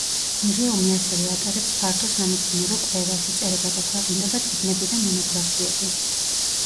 მუზეუმი ასევე ატარებს ფართო სამეცნიერო კვლევას, იწერება და ქვეყნდება წიგნები და მონოგრაფიები.